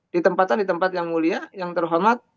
di tempat tempat yang mulia yang terhormat